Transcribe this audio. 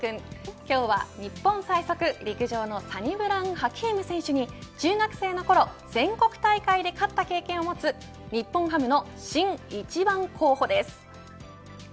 今日は日本最速、陸上のサニブラウン・ハキーム選手に中学生のころ全国大会で勝った経験を持つ日本ハムの新一番候補です。